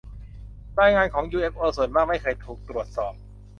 รายงานของ ยูเอฟโอส่วนมากไม่เคยถูกตรวจสอบ